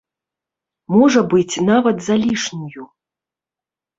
Можа быць, нават залішнюю.